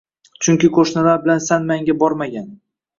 Chunki qo‘shnilar bilan san-manga bormagan.